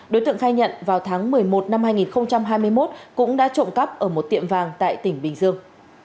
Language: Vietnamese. đối tượng khai nhận vào tháng một mươi một năm hai nghìn hai mươi một cũng đã trộm cắp ở một tiệm vàng tại tỉnh bình dương